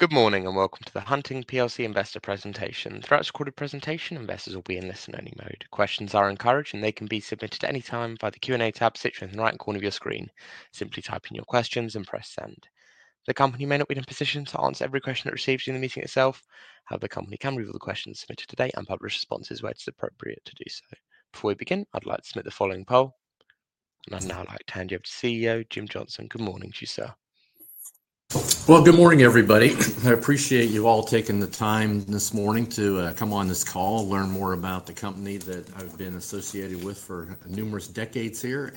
Good morning and welcome to the Hunting PLC Investor Presentation. Throughout this recorded presentation, investors will be in listen-only mode. Questions are encouraged, and they can be submitted at any time via the Q&A tab situated in the right corner of your screen. Simply type in your questions and press send. The company may not be in a position to answer every question that's received during the meeting itself, however, the company can review the questions submitted today and publish responses where it's appropriate to do so. Before we begin, I'd like to submit the following poll, and I'd now like to hand you over to CEO Jim Johnson. Good morning, Jim. Good morning, everybody. I appreciate you all taking the time this morning to come on this call, learn more about the company that I've been associated with for numerous decades here.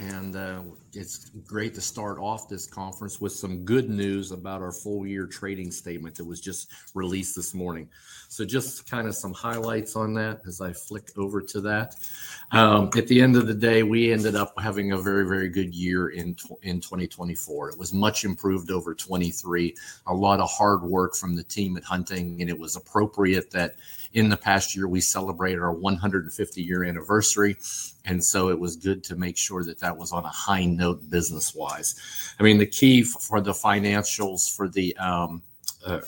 It's great to start off this conference with some good news about our full-year trading statement that was just released this morning. Just kind of some highlights on that as I flick over to that. At the end of the day, we ended up having a very, very good year in 2024. It was much improved over 2023. A lot of hard work from the team at Hunting, and it was appropriate that in the past year, we celebrated our 150-year anniversary. It was good to make sure that that was on a high note business-wise. I mean, the key for the financials for the,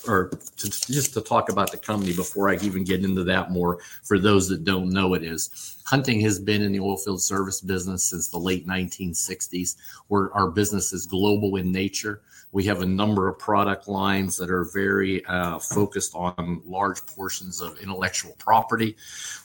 or just to talk about the company before I even get into that more, for those that don't know, it is Hunting has been in the oilfield service business since the late 1960s, where our business is global in nature. We have a number of product lines that are very focused on large portions of intellectual property.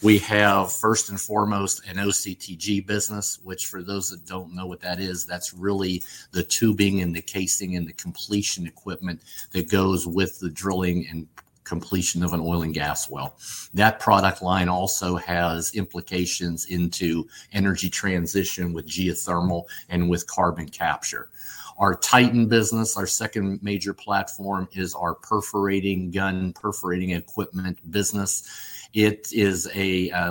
We have, first and foremost, an OCTG business, which for those that don't know what that is, that's really the tubing and the casing and the completion equipment that goes with the drilling and completion of an oil and gas well. That product line also has implications into energy transition with geothermal and with carbon capture. Our Titan business, our second major platform, is our perforating gun perforating equipment business. It is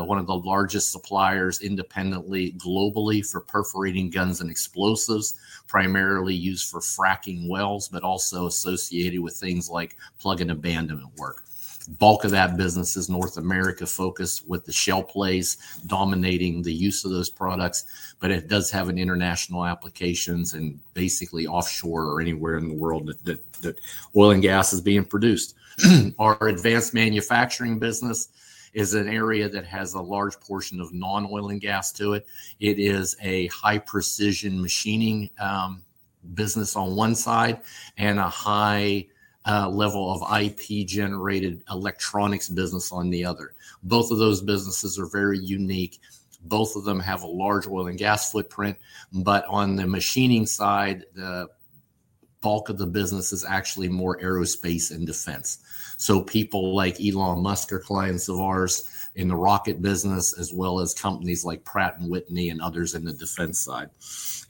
one of the largest suppliers independently globally for perforating guns and explosives, primarily used for fracking wells, but also associated with things like plug and abandonment work. Bulk of that business is North America-focused with the shale plays dominating the use of those products, but it does have international applications and basically offshore or anywhere in the world that oil and gas is being produced. Our advanced manufacturing business is an area that has a large portion of non-oil and gas to it. It is a high-precision machining business on one side and a high level of IP-generated electronics business on the other. Both of those businesses are very unique. Both of them have a large oil and gas footprint, but on the machining side, the bulk of the business is actually more aerospace and defense. So people like Elon Musk are clients of ours in the rocket business, as well as companies like Pratt & Whitney and others in the defense side.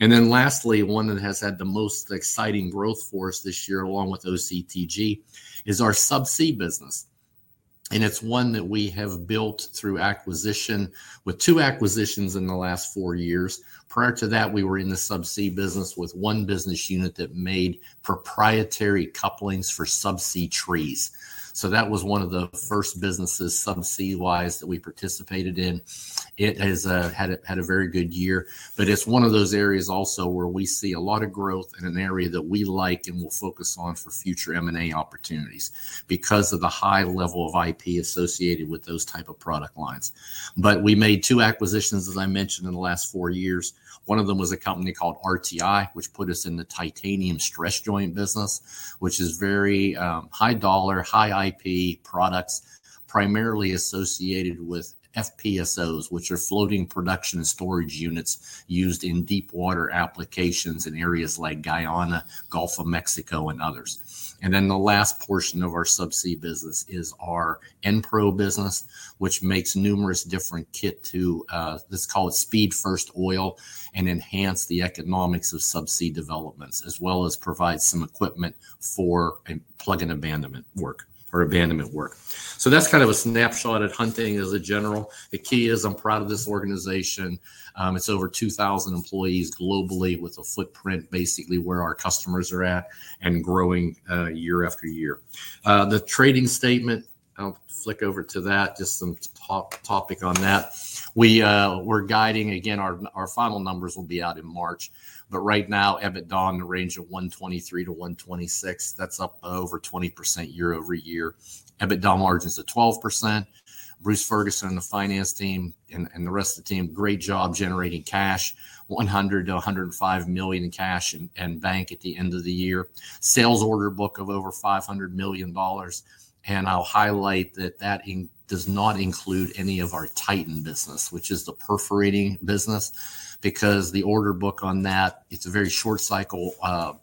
And then lastly, one that has had the most exciting growth for us this year, along with OCTG, is our Subsea business. And it's one that we have built through acquisition with two acquisitions in the last four years. Prior to that, we were in the Subsea business with one business unit that made proprietary couplings for Subsea trees. So that was one of the first businesses Subsea-wise that we participated in. It has had a very good year, but it's one of those areas also where we see a lot of growth in an area that we like and will focus on for future M&A opportunities because of the high level of IP associated with those types of product lines. We made two acquisitions, as I mentioned, in the last four years. One of them was a company called RTI, which put us in the titanium stress joint business, which is very high dollar, high IP products, primarily associated with FPSOs, which are floating production and storage units used in deep water applications in areas like Guyana, Gulf of Mexico, and others. The last portion of our Subsea business is our Enpro business, which makes numerous different kit to, let's call it speed first oil and enhance the economics of Subsea developments, as well as provide some equipment for plug and abandonment work or abandonment work. That's kind of a snapshot of Hunting in general. The key is I'm proud of this organization. It's over 2,000 employees globally with a footprint basically where our customers are at and growing year after year. The trading statement, I'll flick over to that, just some topic on that. We're guiding, again, our final numbers will be out in March, but right now, EBITDA in the range of $123-126. That's up over 20% year over year. EBITDA margin is at 12%. Bruce Ferguson and the finance team and the rest of the team, great job generating cash, $100-105 million in cash and bank at the end of the year. Sales order book of over $500 million. And I'll highlight that that does not include any of our Titan business, which is the perforating business, because the order book on that, it's a very short-cycle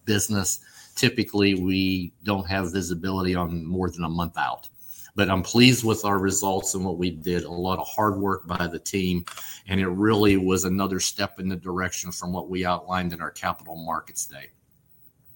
business. Typically, we don't have visibility on more than a month out. But I'm pleased with our results and what we did, a lot of hard work by the team, and it really was another step in the direction from what we outlined in our capital markets day.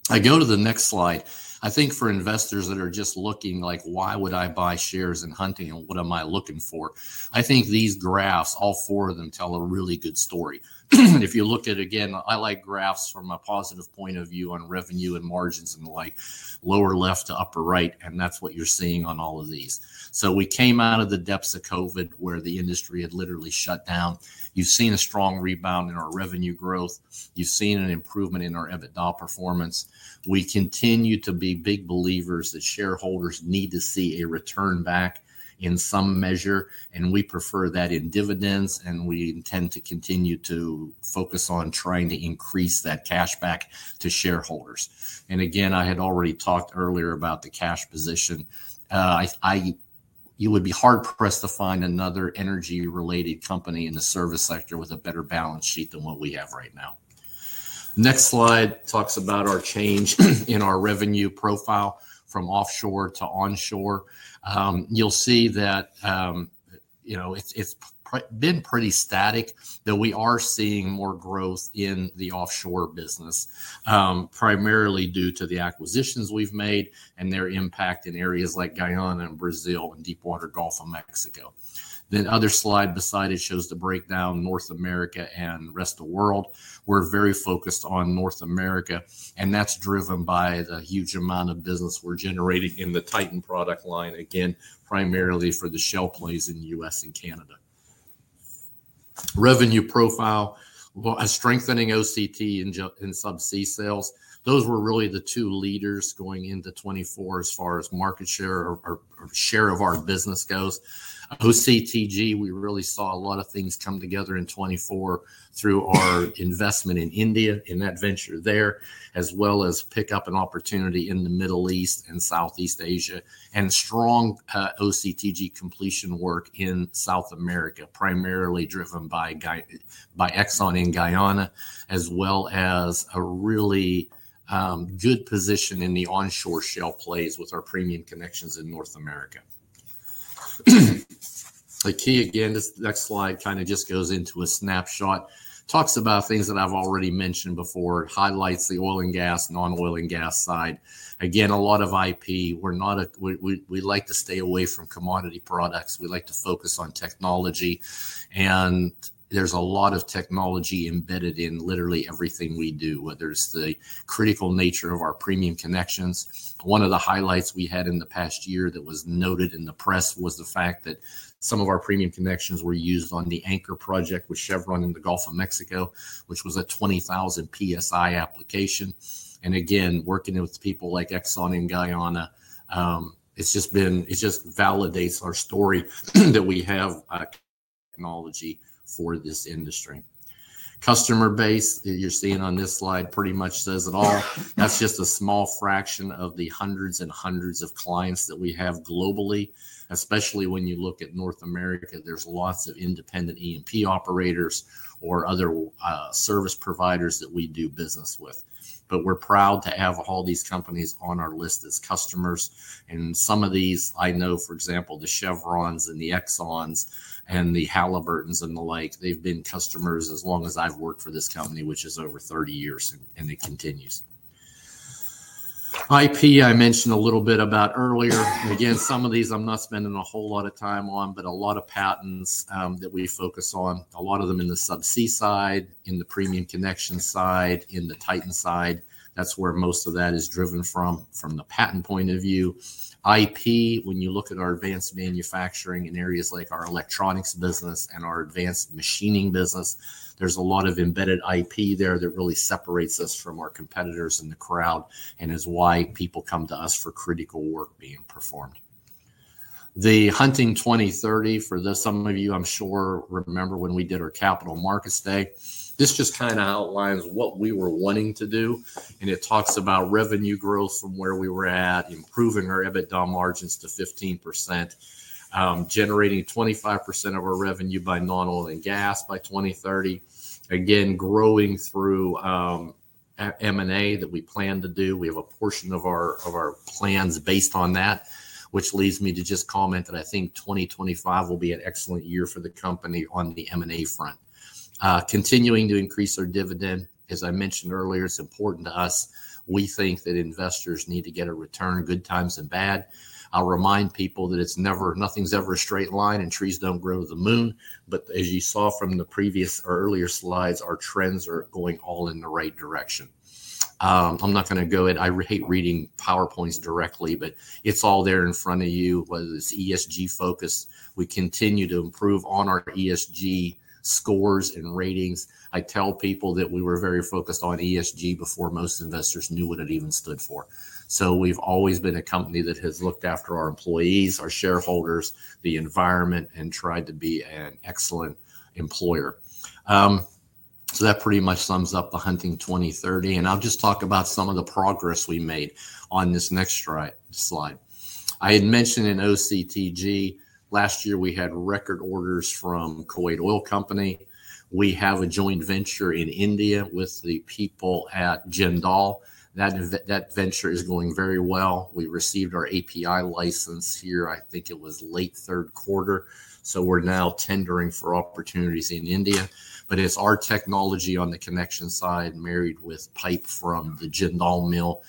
I go to the next slide. I think for investors that are just looking like, why would I buy shares in Hunting and what am I looking for? I think these graphs, all four of them, tell a really good story. If you look at, again, I like graphs from a positive point of view on revenue and margins and the like, lower left to upper right, and that's what you're seeing on all of these. So we came out of the depths of COVID where the industry had literally shut down. You've seen a strong rebound in our revenue growth. You've seen an improvement in our EBITDA performance. We continue to be big believers that shareholders need to see a return back in some measure, and we prefer that in dividends, and we intend to continue to focus on trying to increase that cash back to shareholders. Again, I had already talked earlier about the cash position. You would be hard-pressed to find another energy-related company in the service sector with a better balance sheet than what we have right now. Next slide talks about our change in our revenue profile from offshore to onshore. You'll see that it's been pretty static, though we are seeing more growth in the offshore business, primarily due to the acquisitions we've made and their impact in areas like Guyana and Brazil and deep water Gulf of Mexico. The other slide beside it shows the breakdown, North America and rest of the world. We're very focused on North America, and that's driven by the huge amount of business we're generating in the Titan product line, again, primarily for the shale plays in the U.S. and Canada. Revenue profile, strengthening OCTG and Subsea sales. Those were really the two leaders going into 2024 as far as market share or share of our business goes. OCTG, we really saw a lot of things come together in 2024 through our investment in India and that venture there, as well as pick up an opportunity in the Middle East and Southeast Asia, and strong OCTG completion work in South America, primarily driven by Exxon in Guyana, as well as a really good position in the onshore shale plays with our premium connections in North America. The key, again, this next slide kind of just goes into a snapshot, talks about things that I've already mentioned before, highlights the oil and gas, non-oil and gas side. Again, a lot of IP. We like to stay away from commodity products. We like to focus on technology. And there's a lot of technology embedded in literally everything we do, whether it's the critical nature of our premium connections. One of the highlights we had in the past year that was noted in the press was the fact that some of our premium connections were used on the Anchor Project with Chevron in the Gulf of Mexico, which was a 20,000 PSI application. And again, working with people like Exxon in Guyana, it just validates our story that we have technology for this industry. Customer base, you're seeing on this slide, pretty much says it all. That's just a small fraction of the hundreds and hundreds of clients that we have globally. Especially when you look at North America, there's lots of independent E&P operators or other service providers that we do business with. But we're proud to have all these companies on our list as customers. And some of these, I know, for example, the Chevrons and the Exxons and the Halliburtons and the like, they've been customers as long as I've worked for this company, which is over 30 years, and it continues. IP, I mentioned a little bit about earlier. Again, some of these I'm not spending a whole lot of time on, but a lot of patents that we focus on, a lot of them in the Subsea side, in the premium connection side, in the Titan side. That's where most of that is driven from, from the patent point of view. IP, when you look at our advanced manufacturing in areas like our electronics business and our advanced machining business, there's a lot of embedded IP there that really separates us from our competitors in the crowd and is why people come to us for critical work being performed. The Hunting 2030, for some of you, I'm sure, remember when we did our Capital Markets Day. This just kind of outlines what we were wanting to do. And it talks about revenue growth from where we were at, improving our EBITDA margins to 15%, generating 25% of our revenue by non-oil and gas by 2030. Again, growing through M&A that we plan to do. We have a portion of our plans based on that, which leads me to just comment that I think 2025 will be an excellent year for the company on the M&A front. Continuing to increase our dividend. As I mentioned earlier, it's important to us. We think that investors need to get a return, good times and bad. I'll remind people that nothing's ever a straight line and trees don't grow to the moon. But as you saw from the previous or earlier slides, our trends are going all in the right direction. I'm not going to go in. I hate reading PowerPoints directly, but it's all there in front of you, whether it's ESG focus. We continue to improve on our ESG scores and ratings. I tell people that we were very focused on ESG before most investors knew what it even stood for. So we've always been a company that has looked after our employees, our shareholders, the environment, and tried to be an excellent employer. So that pretty much sums up the Hunting 2030. I'll just talk about some of the progress we made on this next slide. I had mentioned in OCTG, last year we had record orders from Kuwait Oil Company. We have a joint venture in India with the people at Jindal. That venture is going very well. We received our API license here, I think it was late third quarter. So we're now tendering for opportunities in India. But it's our technology on the connection side married with pipe from the Jindal mill.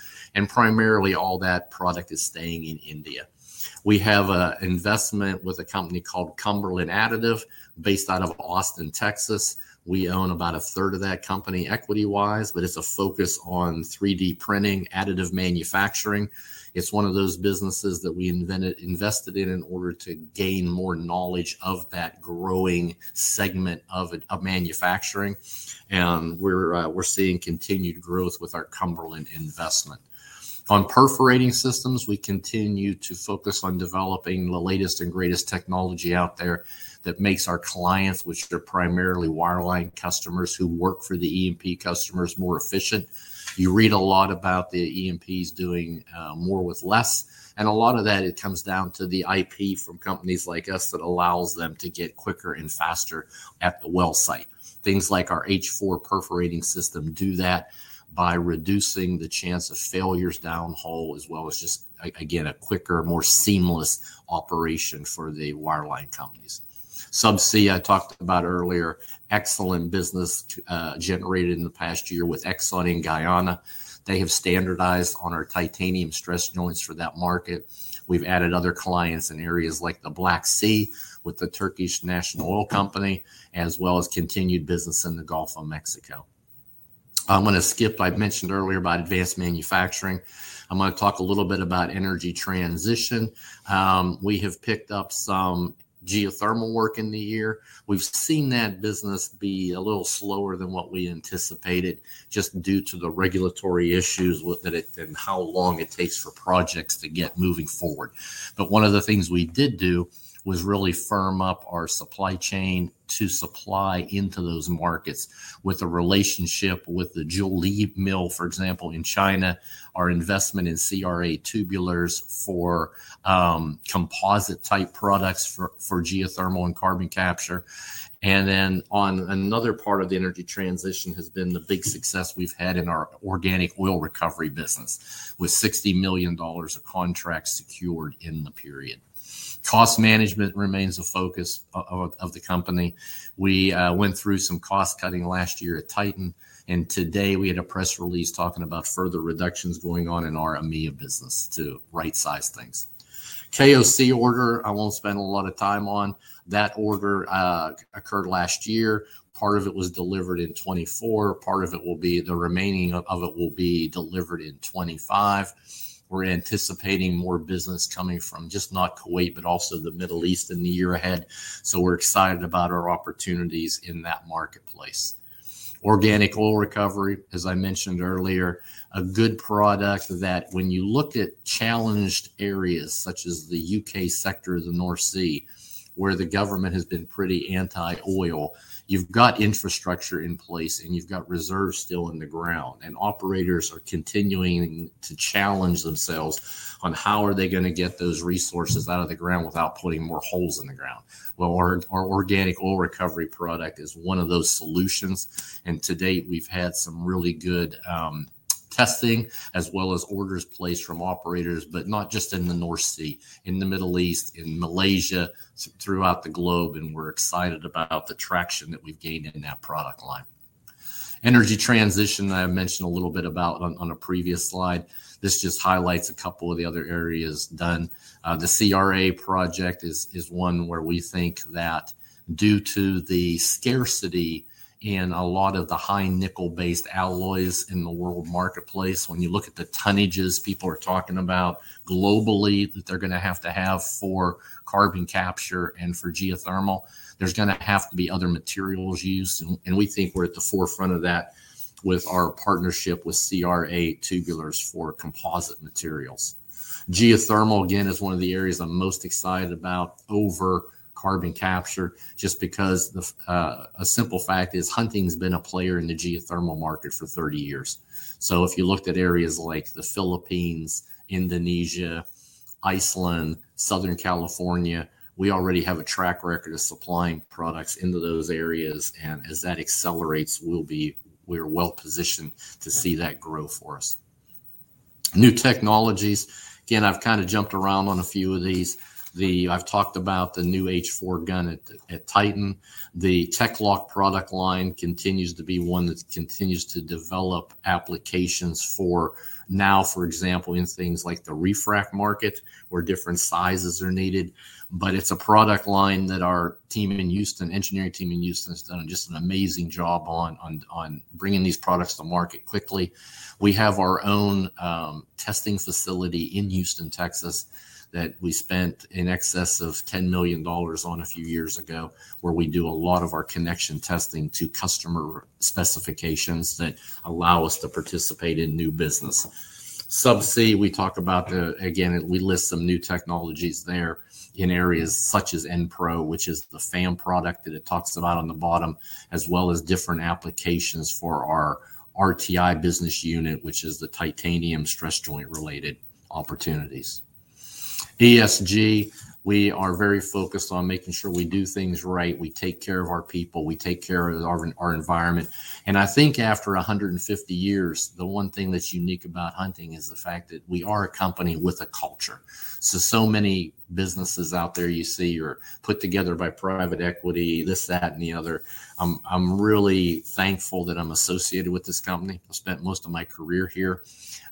Primarily all that product is staying in India. We have an investment with a company called Cumberland Additive based out of Austin, Texas. We own about a third of that company equity-wise, but it's a focus on 3D printing, additive manufacturing. It's one of those businesses that we invested in in order to gain more knowledge of that growing segment of manufacturing. And we're seeing continued growth with our Cumberland investment. On perforating systems, we continue to focus on developing the latest and greatest technology out there that makes our clients, which are primarily wireline customers who work for the E&P customers, more efficient. You read a lot about the E&Ps doing more with less. And a lot of that, it comes down to the IP from companies like us that allows them to get quicker and faster at the well site. Things like our H-4 perforating system do that by reducing the chance of failures downhole, as well as just, again, a quicker, more seamless operation for the wireline companies. Subsea, I talked about earlier, excellent business generated in the past year with Exxon in Guyana. They have standardized on our titanium stress joints for that market. We've added other clients in areas like the Black Sea with the Turkish National Oil Company, as well as continued business in the Gulf of Mexico. I'm going to skip. I mentioned earlier about advanced manufacturing. I'm going to talk a little bit about energy transition. We have picked up some geothermal work in the year. We've seen that business be a little slower than what we anticipated, just due to the regulatory issues and how long it takes for projects to get moving forward, but one of the things we did do was really firm up our supply chain to supply into those markets with a relationship with the Jiuli, for example, in China, our investment in CRA Tubulars for composite-type products for geothermal and carbon capture. And then, on another part of the energy transition, has been the big success we've had in our Organic Oil Recovery business with $60 million of contracts secured in the period. Cost management remains a focus of the company. We went through some cost cutting last year at Titan. And today we had a press release talking about further reductions going on in our EMEA business to right-size things. KOC order, I won't spend a lot of time on. That order occurred last year. Part of it was delivered in 2024. Part of it will be the remaining of it will be delivered in 2025. We're anticipating more business coming from just not Kuwait, but also the Middle East in the year ahead. So we're excited about our opportunities in that marketplace. Organic Oil Recovery, as I mentioned earlier, a good product that when you look at challenged areas such as the U.K. sector of the North Sea, where the government has been pretty anti-oil, you've got infrastructure in place and you've got reserves still in the ground. And operators are continuing to challenge themselves on how are they going to get those resources out of the ground without putting more holes in the ground. Well, our Organic Oil Recovery product is one of those solutions. And to date, we've had some really good testing as well as orders placed from operators, but not just in the North Sea, in the Middle East, in Malaysia, throughout the globe. And we're excited about the traction that we've gained in that product line. Energy transition that I mentioned a little bit about on a previous slide. This just highlights a couple of the other areas done. The CRA project is one where we think that due to the scarcity in a lot of the high nickel-based alloys in the world marketplace, when you look at the tonnages people are talking about globally that they're going to have to have for carbon capture and for geothermal, there's going to have to be other materials used. And we think we're at the forefront of that with our partnership with CRA Tubulars for composite materials. Geothermal, again, is one of the areas I'm most excited about over carbon capture, just because a simple fact is Hunting has been a player in the geothermal market for 30 years. So if you looked at areas like the Philippines, Indonesia, Iceland, Southern California, we already have a track record of supplying products into those areas. As that accelerates, we're well positioned to see that grow for us. New technologies. Again, I've kind of jumped around on a few of these. I've talked about the new H-4 gun at Titan. The TEC-LOCK product line continues to be one that continues to develop applications for now, for example, in things like the re-frac market where different sizes are needed. But it's a product line that our team in Houston, engineering team in Houston has done just an amazing job on bringing these products to market quickly. We have our own testing facility in Houston, Texas, that we spent in excess of $10 million on a few years ago, where we do a lot of our connection testing to customer specifications that allow us to participate in new business. Subsea, we talk about, again, we list some new technologies there in areas such as Enpro, which is the FAM product that it talks about on the bottom, as well as different applications for our RTI business unit, which is the titanium stress joint-related opportunities. ESG, we are very focused on making sure we do things right. We take care of our people. We take care of our environment. I think after 150 years, the one thing that's unique about Hunting is the fact that we are a company with a culture. So many businesses out there you see are put together by private equity, this, that, and the other. I'm really thankful that I'm associated with this company. I spent most of my career here.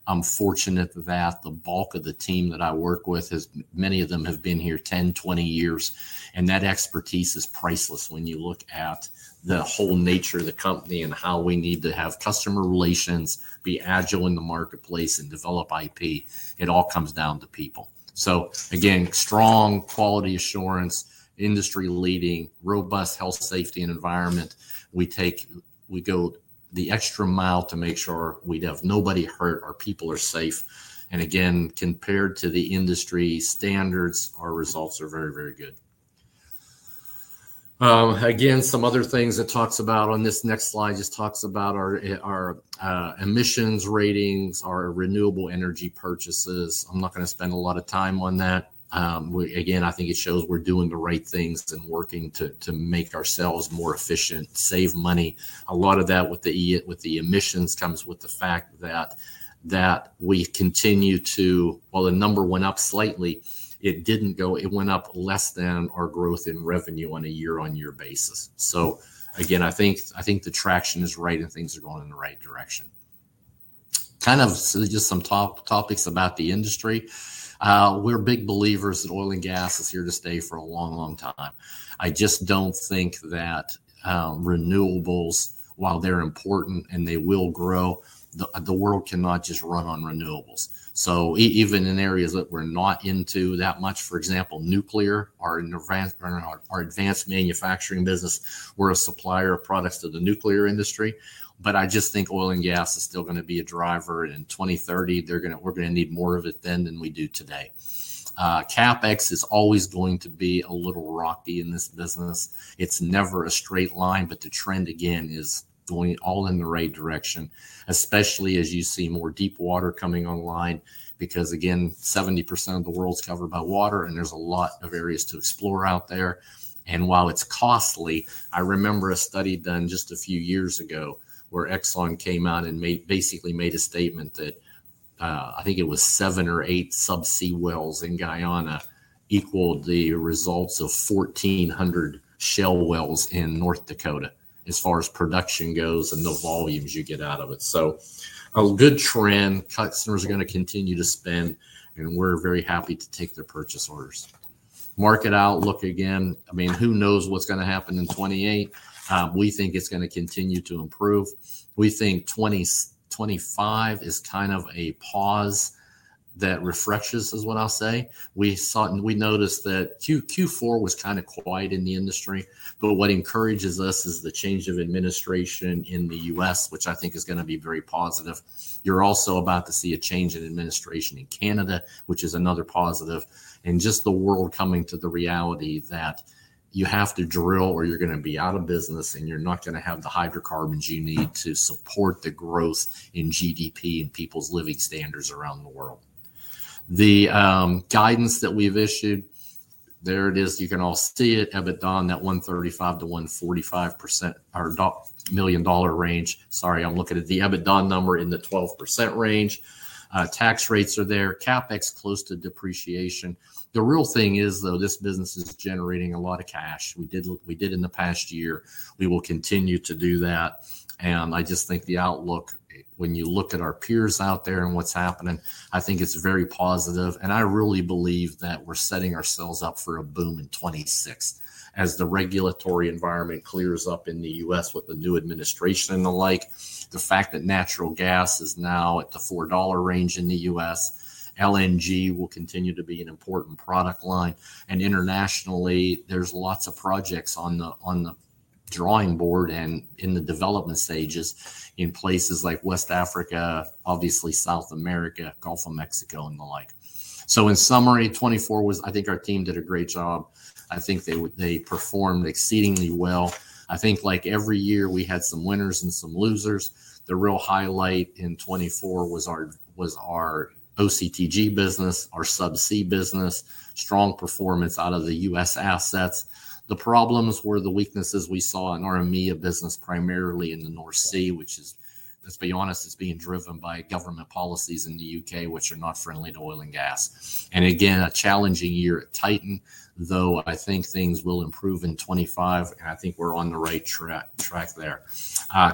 I'm fortunate that the bulk of the team that I work with, many of them have been here 10, 20 years. That expertise is priceless when you look at the whole nature of the company and how we need to have customer relations, be agile in the marketplace, and develop IP. It all comes down to people. Again, strong quality assurance, industry-leading, robust health, safety, and environment. We go the extra mile to make sure we have nobody hurt, our people are safe. Again, compared to the industry standards, our results are very, very good. Again, some other things it talks about on this next slide just talks about our emissions ratings, our renewable energy purchases. I'm not going to spend a lot of time on that. Again, I think it shows we're doing the right things and working to make ourselves more efficient, save money. A lot of that with the emissions comes with the fact that we continue to, while the number went up slightly, it didn't go. It went up less than our growth in revenue on a year-on-year basis. So again, I think the traction is right and things are going in the right direction. Kind of just some topics about the industry. We're big believers that oil and gas is here to stay for a long, long time. I just don't think that renewables, while they're important and they will grow, the world cannot just run on renewables. So even in areas that we're not into that much, for example, nuclear, our advanced manufacturing business, we're a supplier of products to the nuclear industry. But I just think oil and gas is still going to be a driver. In 2030, we're going to need more of it then than we do today. CapEx is always going to be a little rocky in this business. It's never a straight line, but the trend, again, is going all in the right direction, especially as you see more deep water coming online, because again, 70% of the world's covered by water and there's a lot of areas to explore out there, and while it's costly, I remember a study done just a few years ago where Exxon came out and basically made a statement that I think it was seven or eight Subsea wells in Guyana equaled the results of 1,400 shale wells in North Dakota as far as production goes and the volumes you get out of it, so a good trend, customers are going to continue to spend, and we're very happy to take their purchase orders. Market outlook again, I mean, who knows what's going to happen in 2028? We think it's going to continue to improve. We think 2025 is kind of a pause that refreshes, is what I'll say. We noticed that Q4 was kind of quiet in the industry, but what encourages us is the change of administration in the U.S., which I think is going to be very positive. You're also about to see a change in administration in Canada, which is another positive. And just the world coming to the reality that you have to drill or you're going to be out of business and you're not going to have the hydrocarbons you need to support the growth in GDP and people's living standards around the world. The guidance that we've issued, there it is, you can all see it, EBITDA, that $135-$145 million range. Sorry, I'm looking at the EBITDA number in the 12% range. Tax rates are there. CapEx close to depreciation. The real thing is, though, this business is generating a lot of cash. We did in the past year. We will continue to do that. And I just think the outlook, when you look at our peers out there and what's happening, I think it's very positive. And I really believe that we're setting ourselves up for a boom in 2026 as the regulatory environment clears up in the U.S. with the new administration and the like. The fact that natural gas is now at the $4 range in the U.S., LNG will continue to be an important product line. And internationally, there's lots of projects on the drawing board and in the development stages in places like West Africa, obviously South America, Gulf of Mexico, and the like. So in summary, 2024 was, I think our team did a great job. I think they performed exceedingly well. I think like every year we had some winners and some losers. The real highlight in 2024 was our OCTG business, our Subsea business, strong performance out of the U.S. assets. The problems were the weaknesses we saw in our EMEA business, primarily in the North Sea, which is, let's be honest, it's being driven by government policies in the U.K., which are not friendly to oil and gas. And again, a challenging year at Titan, though I think things will improve in 2025, and I think we're on the right track there.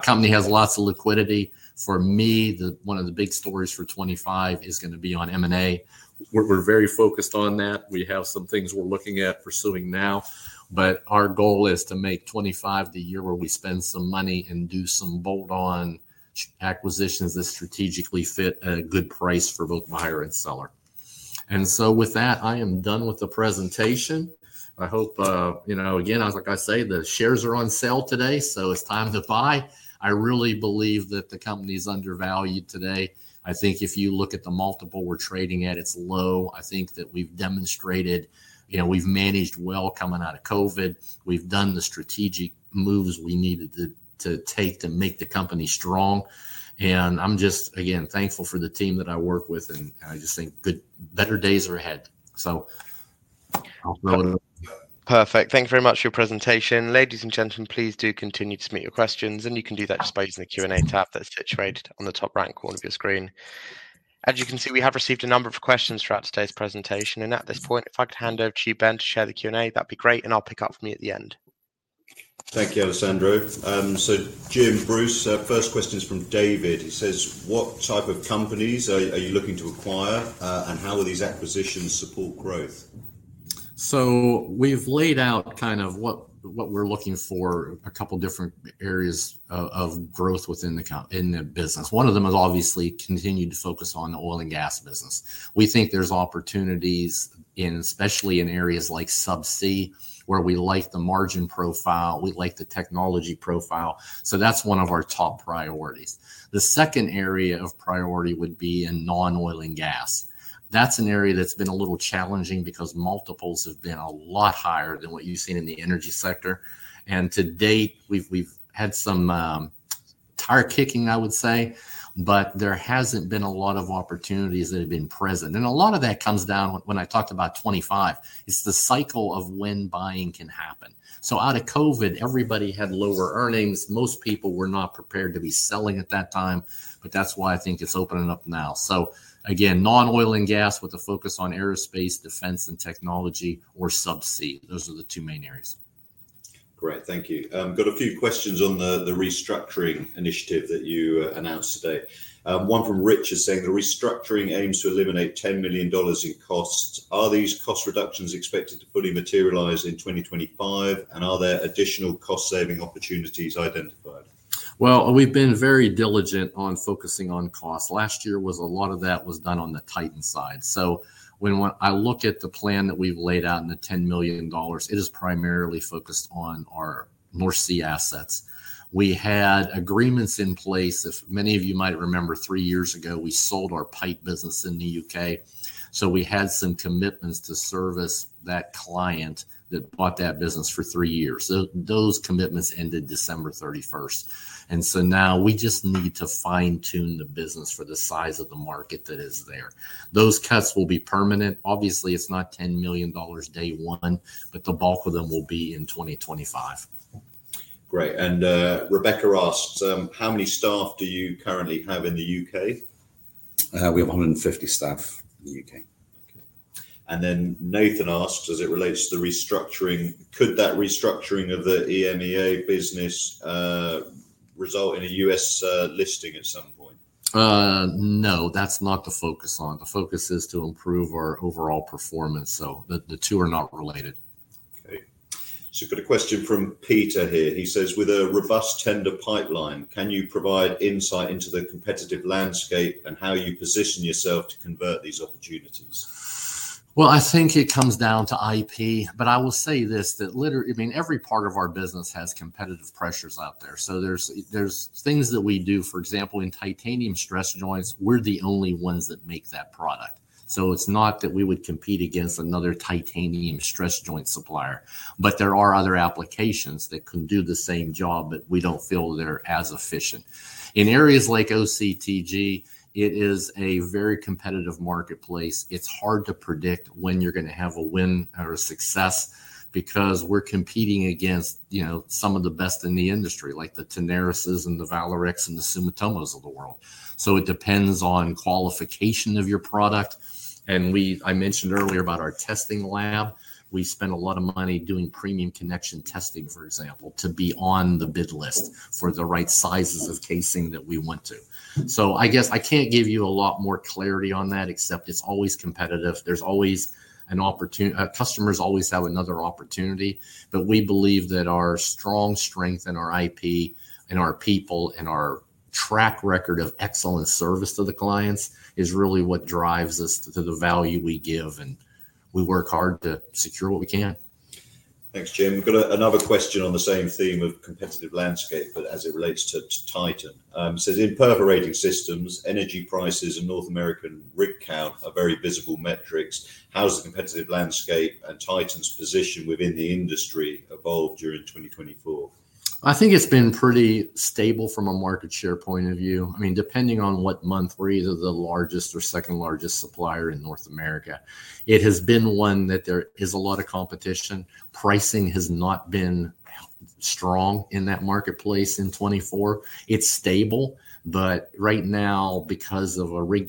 Company has lots of liquidity. For me, one of the big stories for 2025 is going to be on M&A. We're very focused on that. We have some things we're looking at pursuing now, but our goal is to make 2025 the year where we spend some money and do some bolt-on acquisitions that strategically fit a good price for both buyer and seller. And so with that, I am done with the presentation. I hope, again, like I say, the shares are on sale today, so it's time to buy. I really believe that the company is undervalued today. I think if you look at the multiple we're trading at, it's low. I think that we've demonstrated we've managed well coming out of COVID. We've done the strategic moves we needed to take to make the company strong. And I'm just, again, thankful for the team that I work with, and I just think better days are ahead. So I'll throw it over. Perfect. Thank you very much for your presentation. Ladies and gentlemen, please do continue to submit your questions, and you can do that just by using the Q&A tab that's situated on the top right corner of your screen. As you can see, we have received a number of questions throughout today's presentation. At this point, if I could hand over to you, Ben, to share the Q&A, that'd be great, and I'll pick up from you at the end. Thank you, Alessandro. So, Jim, Bruce, first question is from David. He says, what type of companies are you looking to acquire, and how will these acquisitions support growth? So we've laid out kind of what we're looking for, a couple of different areas of growth within the business. One of them is obviously continuing to focus on the oil and gas business. We think there's opportunities, especially in areas like Subsea, where we like the margin profile, we like the technology profile. So that's one of our top priorities. The second area of priority would be in non-oil and gas. That's an area that's been a little challenging because multiples have been a lot higher than what you've seen in the energy sector. And to date, we've had some tire kicking, I would say, but there hasn't been a lot of opportunities that have been present. And a lot of that comes down, when I talked about 2025, it's the cycle of when buying can happen. So out of COVID, everybody had lower earnings. Most people were not prepared to be selling at that time, but that's why I think it's opening up now. So again, non-oil and gas with a focus on aerospace, defense, and technology, or Subsea. Those are the two main areas. Great. Thank you. Got a few questions on the restructuring initiative that you announced today. One from Rich is saying the restructuring aims to eliminate $10 million in costs. Are these cost reductions expected to fully materialize in 2025? And are there additional cost-saving opportunities identified? Well, we've been very diligent on focusing on costs. Last year, a lot of that was done on the Titan side. So when I look at the plan that we've laid out in the $10 million, it is primarily focused on our North Sea assets. We had agreements in place. Many of you might remember three years ago, we sold our pipe business in the U.K. so we had some commitments to service that client that bought that business for three years. Those commitments ended December 31st. And so now we just need to fine-tune the business for the size of the market that is there. Those cuts will be permanent. Obviously, it's not $10 million day one, but the bulk of them will be in 2025. Great. And Rebecca asks, how many staff do you currently have in the U.K.? We have 150 staff in the U.K. And then Nathan asks, as it relates to the restructuring, could that restructuring of the EMEA business result in a U.S. listing at some point? No, that's not the focus on. The focus is to improve our overall performance. So the two are not related. Okay. So we've got a question from Peter here. He says, with a robust tender pipeline, can you provide insight into the competitive landscape and how you position yourself to convert these opportunities? Well, I think it comes down to IP. But I will say this, that literally, I mean, every part of our business has competitive pressures out there. So there's things that we do, for example, in titanium stress joints, we're the only ones that make that product. So it's not that we would compete against another titanium stress joint supplier, but there are other applications that can do the same job, but we don't feel they're as efficient. In areas like OCTG, it is a very competitive marketplace. It's hard to predict when you're going to have a win or a success because we're competing against some of the best in the industry, like the Tenaris and the Vallourec and the Sumitomo of the world. So it depends on qualification of your product. And I mentioned earlier about our testing lab. We spent a lot of money doing premium connection testing, for example, to be on the bid list for the right sizes of casing that we want to. So I guess I can't give you a lot more clarity on that, except it's always competitive. There's always an opportunity. Customers always have another opportunity. But we believe that our strong strength and our IP and our people and our track record of excellent service to the clients is really what drives us to the value we give. And we work hard to secure what we can. Thanks, Jim. We've got another question on the same theme of competitive landscape, but as it relates to Titan. It says, in perforating systems, energy prices and North American rig count are very visible metrics. How has the competitive landscape and Titan's position within the industry evolved during 2024? I think it's been pretty stable from a market share point of view. I mean, depending on what month, we're either the largest or second largest supplier in North America. It has been one that there is a lot of competition. Pricing has not been strong in that marketplace in 2024. It's stable. But right now, because of a rig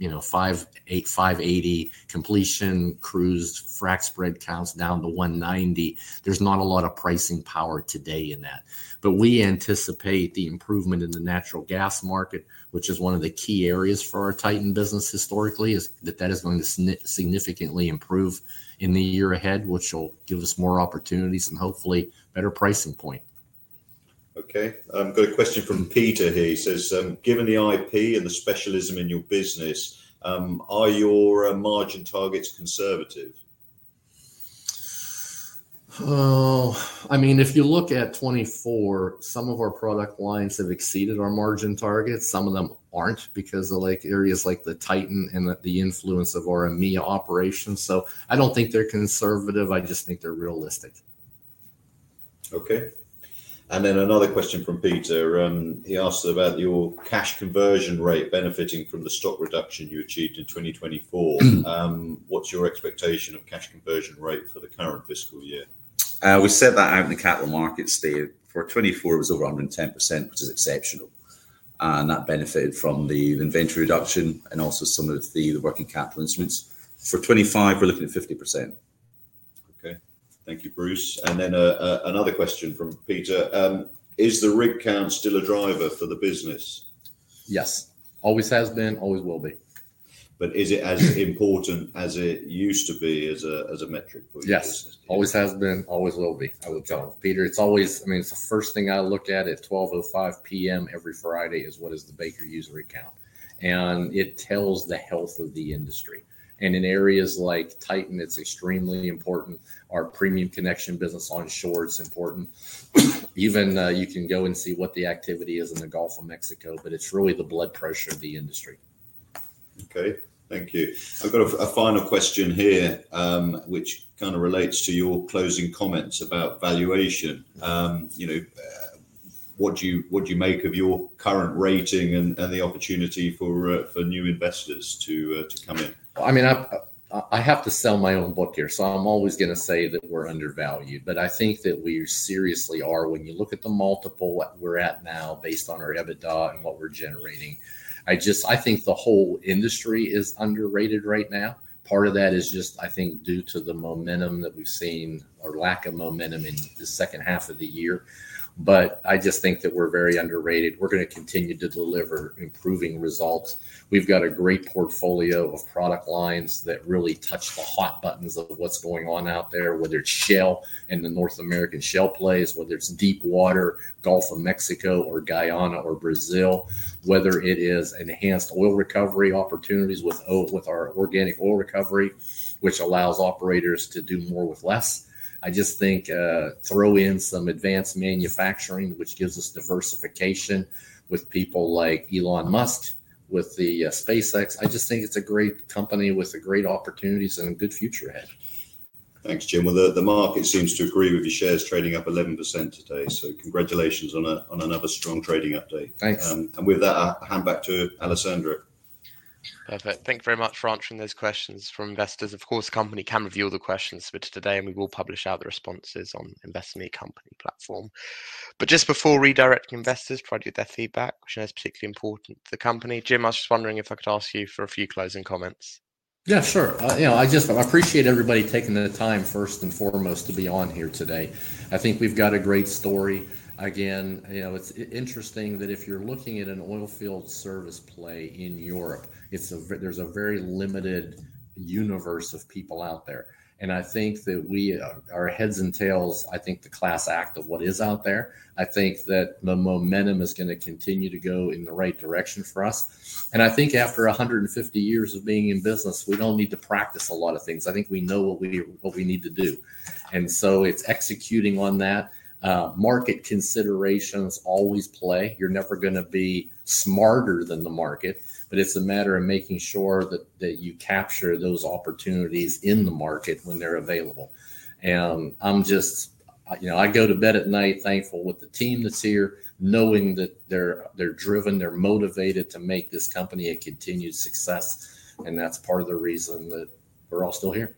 count of 580 completion crews, frac spread counts down to 190, there's not a lot of pricing power today in that. But we anticipate the improvement in the natural gas market, which is one of the key areas for our Titan business historically, that that is going to significantly improve in the year ahead, which will give us more opportunities and hopefully better pricing. Okay. I've got a question from Peter here. He says, given the IP and the specialism in your business, are your margin targets conservative? I mean, if you look at 2024, some of our product lines have exceeded our margin targets. Some of them aren't because of areas like the Titan and the influence of our EMEA operations. So I don't think they're conservative. I just think they're realistic. Okay. And then another question from Peter. He asks about your cash conversion rate benefiting from the stock reduction you achieved in 2024. What's your expectation of cash conversion rate for the current fiscal year? We set that out in the capital markets day. For 2024, it was over 110%, which is exceptional. And that benefited from the inventory reduction and also some of the working capital instruments. For 2025, we're looking at 50%. Okay. Thank you, Bruce. And then another question from Peter. Is the rig count still a driver for the business? Yes. Always has been, always will be. But is it as important as it used to be as a metric for your business? Yes. Always has been, always will be. I will tell you. Peter, it's always I mean, it's the first thing I look at at 12:05 P.M. every Friday is, what is the Baker Hughes rig count? And it tells the health of the industry. And in areas like Titan, it's extremely important. Our premium connection business on shore is important. Even you can go and see what the activity is in the Gulf of Mexico, but it's really the blood pressure of the industry. Okay. Thank you. I've got a final question here, which kind of relates to your closing comments about valuation. What do you make of your current rating and the opportunity for new investors to come in? I mean, I have to sell my own book here, so I'm always going to say that we're undervalued. But I think that we seriously are. When you look at the multiple we're at now based on our EBITDA and what we're generating, I think the whole industry is underrated right now. Part of that is just, I think, due to the momentum that we've seen or lack of momentum in the second half of the year. But I just think that we're very underrated. We're going to continue to deliver improving results. We've got a great portfolio of product lines that really touch the hot buttons of what's going on out there, whether it's shale and the North American shale plays, whether it's deep water, Gulf of Mexico, or Guyana, or Brazil, whether it is enhanced oil recovery opportunities with our Organic Oil Recovery, which allows operators to do more with less. I just think throw in some advanced manufacturing, which gives us diversification with people like Elon Musk, with the SpaceX. I just think it's a great company with great opportunities and a good future ahead. Thanks, Jim. The market seems to agree with your shares trading up 11% today. So congratulations on another strong trading update. Thanks. And with that, I'll hand back to Alessandro. Perfect. Thank you very much for answering those questions from investors. Of course, the company can review the questions for today, and we will publish out the responses on Investor Meet Company platform. But just before redirecting investors, try to get their feedback, which I know is particularly important to the company. Jim, I was just wondering if I could ask you for a few closing comments. Yeah, sure. I appreciate everybody taking the time, first and foremost, to be on here today. I think we've got a great story. Again, it's interesting that if you're looking at an oil field service play in Europe, there's a very limited universe of people out there. And I think that our head and shoulders, I think the class act of what is out there. I think that the momentum is going to continue to go in the right direction for us. I think after 150 years of being in business, we don't need to practice a lot of things. I think we know what we need to do. It's executing on that. Market considerations always play. You're never going to be smarter than the market, but it's a matter of making sure that you capture those opportunities in the market when they're available. I go to bed at night thankful with the team that's here, knowing that they're driven, they're motivated to make this company a continued success. That's part of the reason that we're all still here.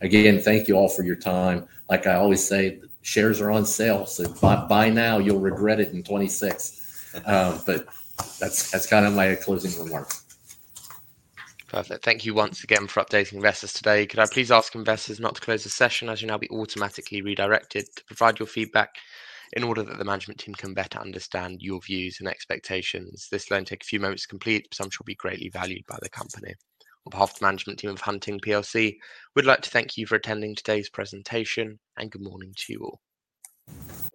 Again, thank you all for your time. Like I always say, shares are on sale. Buy now, you'll regret it in 2026. That's kind of my closing remarks. Perfect. Thank you once again for updating investors today. Could I please ask investors not to close the session as you now be automatically redirected to provide your feedback in order that the management team can better understand your views and expectations? This will only take a few moments to complete, but some should be greatly valued by the company. On behalf of the management team of Hunting PLC, we'd like to thank you for attending today's presentation, and good morning to you all.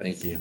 Thank you.